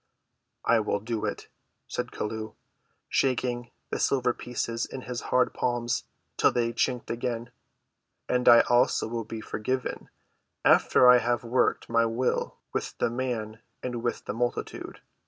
"I will do it," said Chelluh, shaking the silver pieces in his hard palms till they chinked again. "And I also will be forgiven, after I have worked my will with the man and with the multitude."